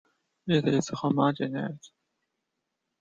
It is homogenized.